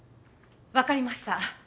わかりました。